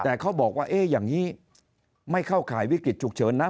แต่เขาบอกว่าอย่างนี้ไม่เข้าข่ายวิกฤตฉุกเฉินนะ